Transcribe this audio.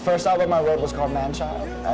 pertama lagu yang saya lirik adalah man child